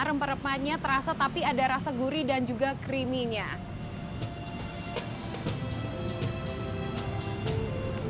rempah rempahnya terasa tapi ada rasa gurih dan juga creamy nya